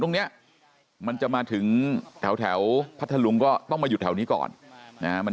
ตรงนี้มันจะมาถึงแถวพัทธลุงก็ต้องมาหยุดแถวนี้ก่อนนะฮะมัน